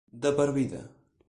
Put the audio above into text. De per vida.